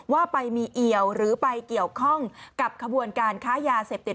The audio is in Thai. ว่าไปมีเอี่ยวหรือไปเกี่ยวข้องกับขบวนการค้ายาเสพติด